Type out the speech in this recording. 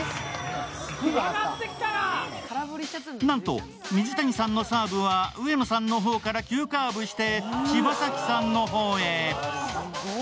なんと水谷さんのサーブは上野さんの方から急カーブして柴咲さんの方へ。